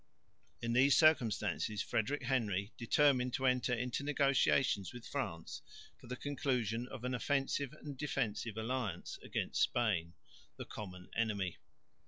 In these circumstances Frederick Henry determined to enter into negotiations with France for the conclusion of an offensive and defensive alliance against Spain, the common enemy.